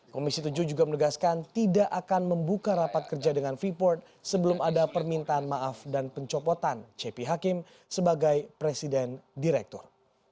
komisi tujuh juga menegaskan tidak akan membuka rapat kerja dengan freeport sebelum ada permintaan maaf dan pencopotan cepi hakim sebagai presiden direktur